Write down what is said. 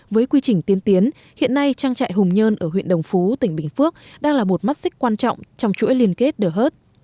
với quy trình tiến tiến hiện nay trang trại hùng nhơn ở huyện đồng phú tỉnh bình phước đang là một mắt xích quan trọng trong chuỗi liên kết đờ hớt